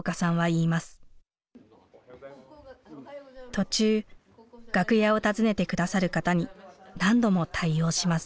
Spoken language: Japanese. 途中楽屋を訪ねて下さる方に何度も対応します。